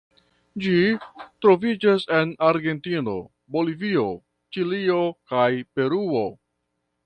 Ĝi troviĝas en Argentino, Bolivio, Ĉilio, kaj Peruo.